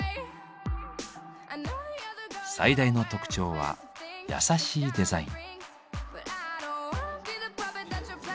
最大の特徴は優しいデザイン。